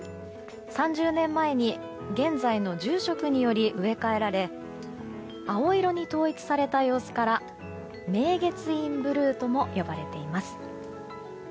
３０年前に、現在の住職により植え替えられ青色に統一された様子から明月院ブルーとも呼ばれています。